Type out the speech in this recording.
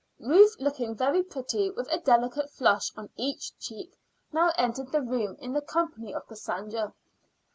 Ruth, looking very pretty, with a delicate flush on each cheek, now entered the room in the company of Cassandra.